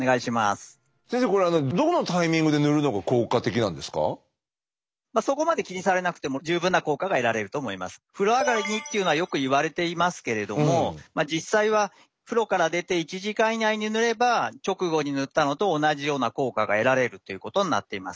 先生これ風呂上がりにっていうのはよくいわれていますけれどもまあ実際は風呂から出て１時間以内に塗れば直後に塗ったのと同じような効果が得られるということになっています。